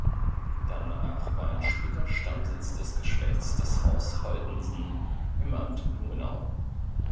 Danach war ein später Stammsitz des Geschlechts das Haus Holtensen im Amt Blumenau.